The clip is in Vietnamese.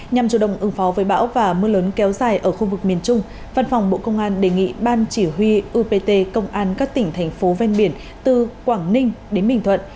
nhằm chủ động ứng phó với bão và mưa lớn kéo dài ở khu vực miền trung văn phòng bộ công an đề nghị ban chỉ huy upt công an các tỉnh thành phố ven biển từ quảng ninh đến bình thuận